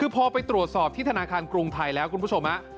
คือพอไปตรวจสอบที่ธนาคารกรุงไทยแล้วคุณผู้ชม